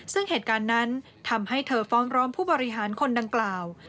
ซึ่งเหตุการณ์นั้นทำให้เธอฟ้องร้องผู้บริหารคนดังกล่าว